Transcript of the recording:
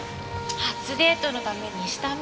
初デートのために下見？